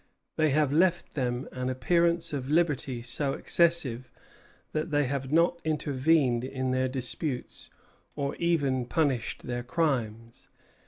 They have left them an appearance of liberty so excessive that they have not intervened in their disputes or even punished their crimes.